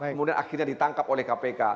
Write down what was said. kemudian akhirnya ditangkap oleh kpk